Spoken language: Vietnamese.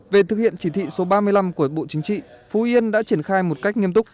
về thực hiện chỉ thị số ba mươi năm của bộ chính trị phú yên đã triển khai một cách nghiêm túc